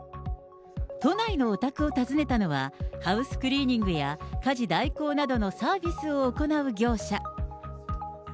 都内のお宅を訪ねたのは、ハウスクリーニングや家事代行などのサービスを行う業者。